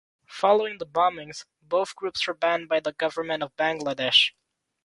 Following the bombings, both groups were banned by the Government of Bangladesh.